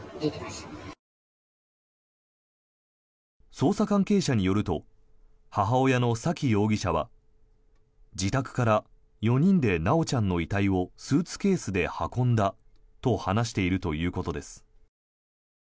捜査関係者によると母親の沙喜容疑者は自宅から４人で修ちゃんの遺体をスーツケースで運んだと話しているということです。